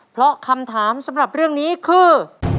เพราะคำถามสำหรับเรื่องนี้คือ